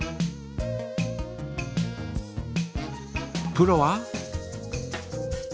プロは？